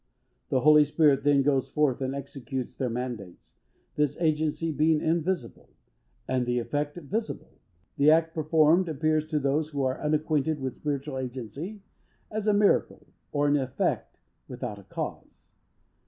The Holy Spirit then goes forth and executes their mandates. This agency being invisible, and the effect visible, the act performed appears to those who are unacquainted with spiritual agency, as a miracle, or an effect without a cause.